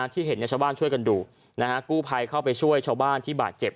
ที่เห็นชาวบ้านช่วยกันดูนะฮะกู้ภัยเข้าไปช่วยชาวบ้านที่บาดเจ็บ